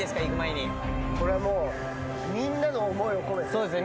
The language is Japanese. そうですね。